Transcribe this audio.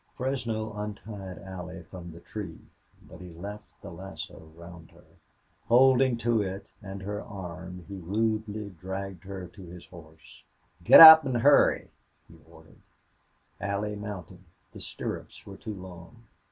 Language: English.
Fresno untied Allie from the tree, but he left the lasso round her; holding to it and her arm, he rudely dragged her to his horse. "Git up, an' hurry," he ordered. Allie mounted. The stirrups were too long.